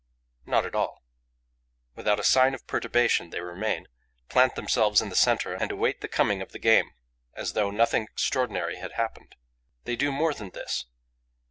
Not at all. Without a sign of perturbation, they remain, plant themselves in the centre and await the coming of the game, as though nothing extraordinary had happened. They do more than this.